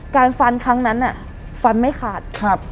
การฟันครั้งนั้นฟันไม่ขาด